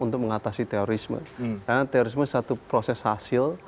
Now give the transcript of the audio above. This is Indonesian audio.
untuk mengatasi terorisme karena terorisme satu proses hasil